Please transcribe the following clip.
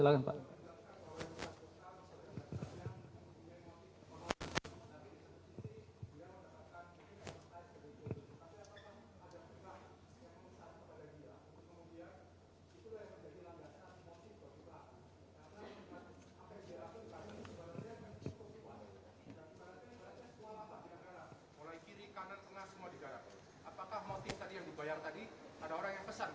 ada orang yang pesan pada dia